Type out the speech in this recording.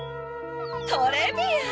トレビアン！